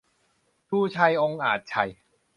ชูชัย องอาจชัย